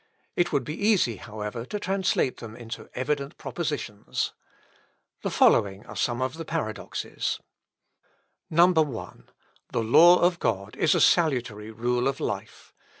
It would be easy, however, to translate them into evident propositions. The following are some of the Paradoxes: 1. "The law of God is a salutary rule of life.